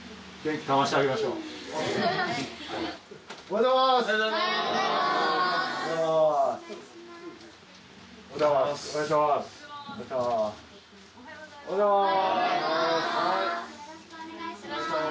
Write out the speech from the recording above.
よろしくお願いします。